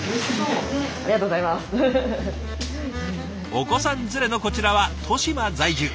お子さん連れのこちらは利島在住。